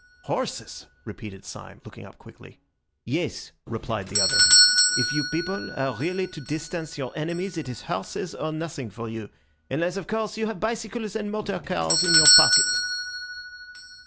"Horses!" repeated Syme, looking up quickly. "Yes," replied the other; "if you people are really to distance your enemies it is horses or nothing for you, unless of course you have bicycles and motor cars in your pocket."